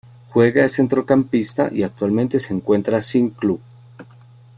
Juega de centrocampista y actualmente se encuentra sin club.